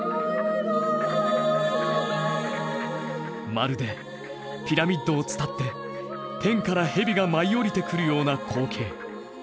まるでピラミッドを伝って天から蛇が舞い降りてくるような光景。